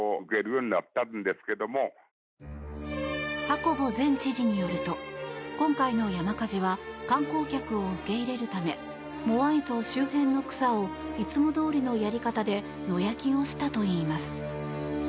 ハコボ前知事によると今回の山火事は観光客を受け入れるためモアイ像周辺の草をいつもどおりのやり方で野焼きをしたといいます。